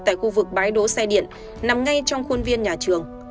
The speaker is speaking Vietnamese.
tại khu vực bái đố xe điện nằm ngay trong khuôn viên nhà trường